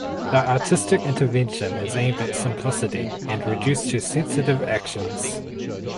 The artistic intervention is aimed at simplicity and reduced to sensitive actions.